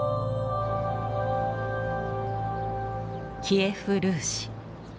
キエフ・ルーシ。